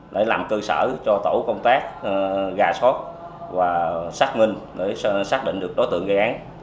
để làm cơ sở cho tổ công tác gà sót và xác minh để xác định được đối tượng gây án